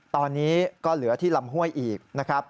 ตอนนี้ก็เหลือที่ลำห้วยอีกนะครับ